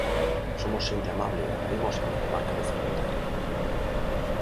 Somos xente amable e agarimosa na comarca de Ferrolterra.